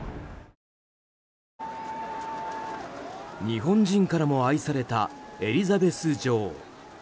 日本人からも愛されたエリザベス女王。